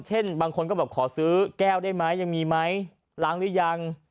เช่นบางคนก็บอกขอซื้อแก้วได้มั้ยล้างหรือยัง